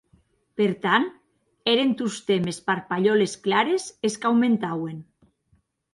Per tant, èren tostemp es parpalhòles clares es qu'aumentauen.